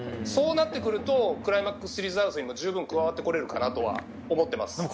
そうなってくるとクライマックスシリーズ争いにも加わってこれるかなと思います。